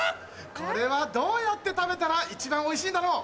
これはどうやって食べたら一番おいしいんだろう？